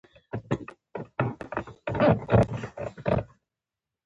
د داخلي و بهرني لیکوالو نظریات ږدي.